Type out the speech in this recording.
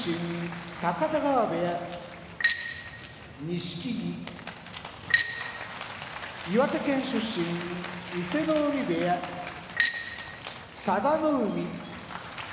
錦木岩手県出身伊勢ノ海部屋佐田の海